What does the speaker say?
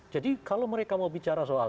jadi kalau mereka mau bicara soal